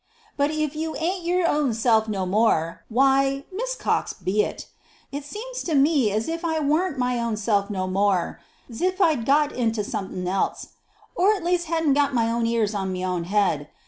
"But if you ain't your own self no more, why, Miss Cox be it. 'T seems to me 's if I warn't my own self no more 's if I'd got into some un else, or 't least hedn't got my own ears on m' own head.